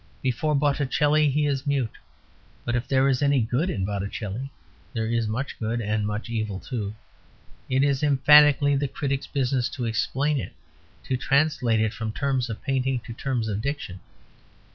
Before Botticelli he is mute. But if there is any good in Botticelli (there is much good, and much evil too) it is emphatically the critic's business to explain it: to translate it from terms of painting into terms of diction.